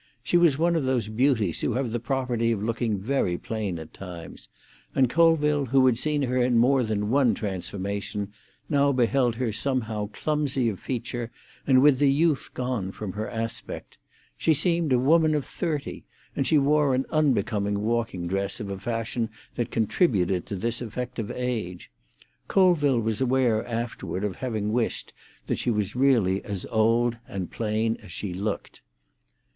She was one of those beauties who have the property of looking very plain at times, and Colville, who had seen her in more than one transformation, now beheld her somehow clumsy of feature, and with the youth gone from her aspect. She seemed a woman of thirty, and she wore an unbecoming walking dress of a fashion that contributed to this effect of age. Colville was aware afterward of having wished that she was really as old and plain as she looked.